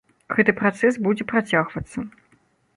Гэты працэс будзе працягвацца.